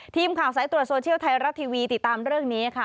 ทีมข่าวสายตรวจโซเชียลไทยรัฐทีวีติดตามเรื่องนี้ค่ะ